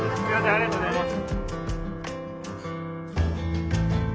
ありがとうございます。